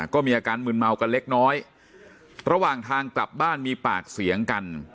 ก็มีอาการมืนเมากันเล็กน้อยระหว่างทางกลับบ้านมีปากเสียงกัน